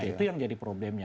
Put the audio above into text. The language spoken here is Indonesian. itu yang jadi problemnya